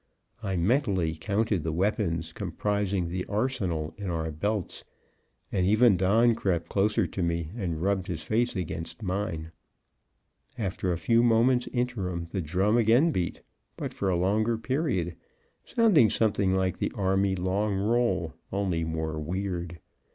I mentally counted the weapons comprising the arsenal in our belts; and even Don crept closer to me and rubbed his face against mine. After a few moments' interim the drum again beat, but for a longer period, sounding something like the army long roll, only more weird.